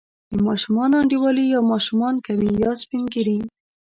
د ماشومانو انډیوالي یا ماشومان کوي، یا سپین ږیري.